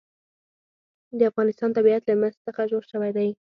د افغانستان طبیعت له مس څخه جوړ شوی دی.